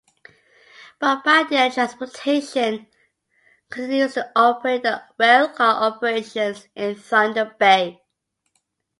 Bombardier Transportation continues to operate the railcar operations in Thunder Bay.